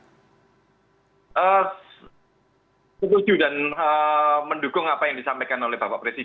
setuju dan mendukung apa yang disampaikan oleh bapak presiden